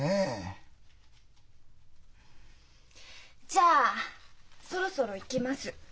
じゃあそろそろ行きます。